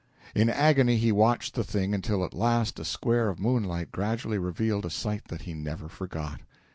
In agony he watched the thing until at last a square of moonlight gradually revealed a sight that he never forgot.